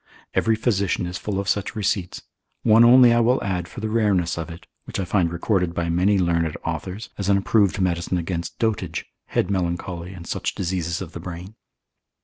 Every physician is full of such receipts: one only I will add for the rareness of it, which I find recorded by many learned authors, as an approved medicine against dotage, head melancholy, and such diseases of the brain.